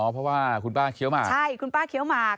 เพราะว่าคุณป้าเคี้ยวหมากใช่คุณป้าเคี้ยวหมาก